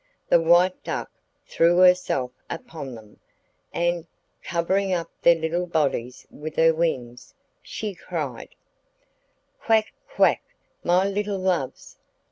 The White Duck threw herself upon them, and, covering up their little bodies with her wings, she cried: 'Quack, quack my little loves!